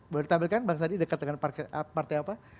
boleh ditampilkan bang sandi dekat dengan partai apa